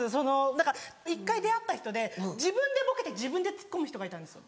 何か１回出会った人で自分でボケて自分でツッコむ人がいたんですよ。